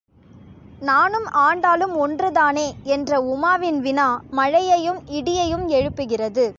நானும் ஆண்டாளும் ஒன்றுதானே? என்ற உமாவின் வினா, மழையையும் இடியையும் எழுப்புகிறது.